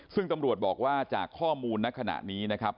ซึ่งตำรวจบอกว่าจากข้อมูลในขณะนี้นะครับ